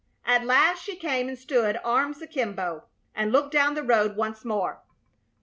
At last she came and stood, arms akimbo, and looked down the road once more.